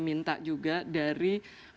minta juga dari